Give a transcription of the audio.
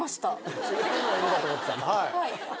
はい。